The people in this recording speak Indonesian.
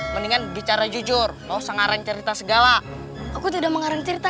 mendingan bicara jujur mau sengarang cerita segala aku tidak mengarang cerita